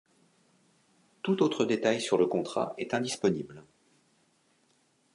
Tout autre détail sur le contrat est indisponible.